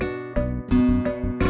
gak ada apa apa